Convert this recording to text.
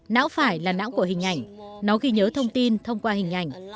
não phải là não của hình ảnh nó ghi nhớ thông tin thông qua hình ảnh